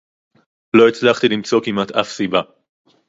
לא הצלחתי למצוא כמעט אף סיבה